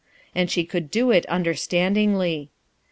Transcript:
And she eould do it undcrstandingly.